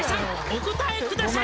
「お答えください」